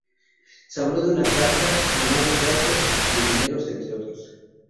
Se habló de una carta, de malos tratos, de dineros, entre otros.